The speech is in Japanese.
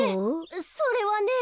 それはね